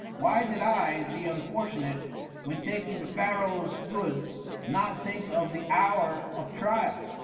Why did I, the unfortunate, when taking the pharaoh's goods, not think of the hour of trial?"